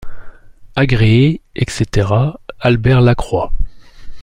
Agréez, etc. Albert Lacroix.